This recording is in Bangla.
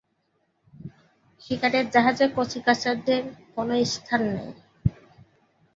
শিকারর জাহাজে কচি-কাঁচাদের কোনো স্থান নেই।